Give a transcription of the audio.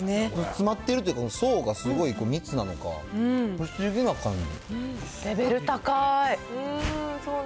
詰まってるというか、層がすごい密なのか、不思議な感じ。